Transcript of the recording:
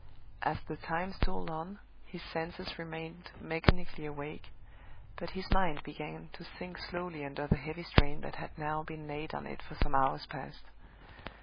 As the time stole on, his senses remained mechanically awake, but his mind began to sink slowly under the heavy strain that had now been laid on it for some hours past.